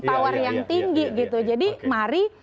tawar yang tinggi jadi